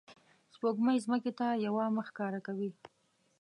سپوږمۍ ځمکې ته یوه مخ ښکاره کوي